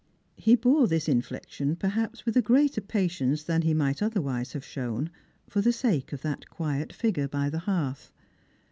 He bore this infliction perhaps with a greater patience than he might otherwise have shown, for the sake of that quiet figure by the hearth.